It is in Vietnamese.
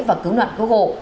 và cứu nạn cứu hộ